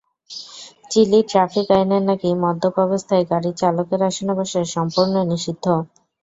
চিলির ট্র্যাফিক আইনে নাকি মদ্যপ অবস্থায় গাড়ির চালকের আসনে বসা সম্পূর্ণ নিষিদ্ধ।